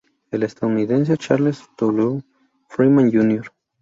El estadounidense Charles W. Freeman, Jr.